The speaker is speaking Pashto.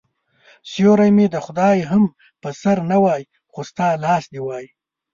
سیوری مې د خدای هم په سر نه وای خو ستا لاس دي وای